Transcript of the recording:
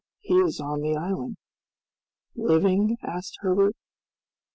he is on the island!" "Living?" asked Herbert.